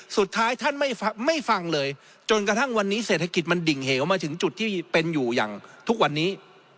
สุดท้ายท่านไม่ฟังเลยจนกระทั่งวันนี้เศรษฐกิจมันดิ่งเหวมาถึงจุดที่เป็นอยู่อย่างทุกวันนี้